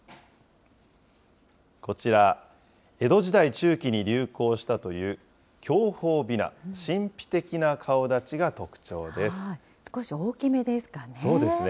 こちら、江戸時代中期に流行したという享保びな、神秘的な顔立ちが特徴で少し大きめですかね。